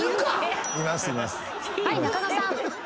はい中野さん。